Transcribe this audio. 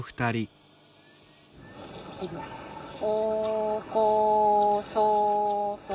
おこそと。